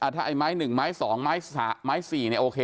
ถ้าไอ้ไม้๑ไม้๒ไม้๔โอเค